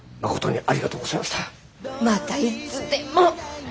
またいつでも。